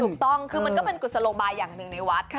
ถูกต้องคือมันก็เป็นกุศโลบายอย่างหนึ่งในวัด